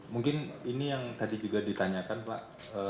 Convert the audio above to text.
mungkin ini yang tadi juga ditanyakan pak